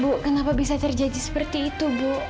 bu kenapa bisa terjadi seperti itu bu